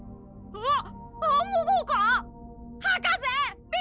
あっ！